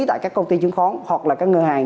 tại các công ty chứng khoán hoặc là các ngân hàng